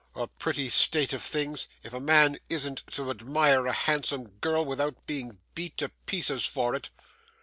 A pretty state of things, if a man isn't to admire a handsome girl without being beat to pieces for it!